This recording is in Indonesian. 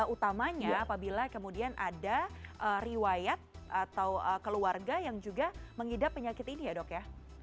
utamanya apabila kemudian ada riwayat atau keluarga yang juga mengidap penyakit ini ya dok ya